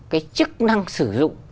cái chức năng sử dụng